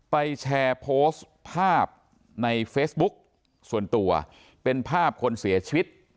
แชร์โพสต์ภาพในเฟซบุ๊กส่วนตัวเป็นภาพคนเสียชีวิต